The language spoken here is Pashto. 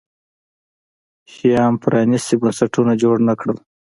شیام پرانیستي بنسټونه جوړ نه کړل.